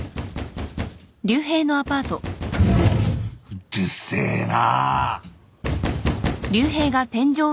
・うるせえな！